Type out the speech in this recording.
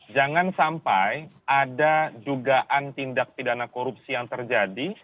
jangan sampai ada dugaan tindak pidana korupsi yang terjadi